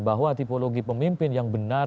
bahwa tipologi pemimpin yang benar